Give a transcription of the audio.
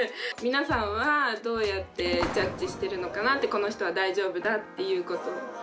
皆さんはどうやってジャッジしてるのかなってこの人は大丈夫だっていうことを。